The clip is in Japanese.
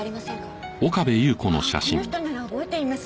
ああこの人なら覚えています。